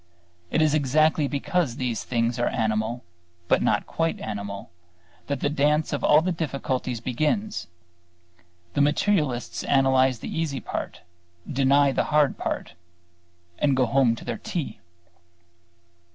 It is exactly because these things are animal, but not quite animal, that the dance of all the difficulties begins. The materialists analyze the easy part, deny the hard part and go home to their tea.